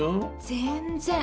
全然。